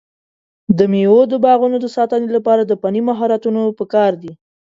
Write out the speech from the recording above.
د مېوو د باغونو د ساتنې لپاره د فني مهارتونو پکار دی.